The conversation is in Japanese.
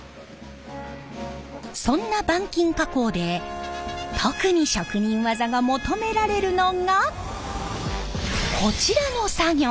そんな板金加工で特に職人技が求められるのがこちらの作業！